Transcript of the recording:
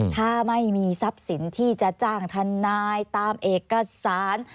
ถ้าไม่มีทรัพย์สินที่จะจ้างทนายตามเอกสาร